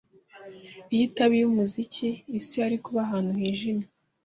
Iyo itaba iyumuziki, isi yari kuba ahantu hijimye.